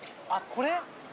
これ。